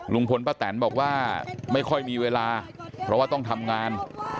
ลุงพลป้าแตนบอกว่าไม่ค่อยมีเวลาเพราะว่าต้องทำงาน